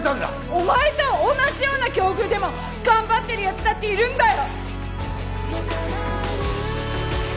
お前と同じような境遇でも頑張ってる奴だっているんだよ！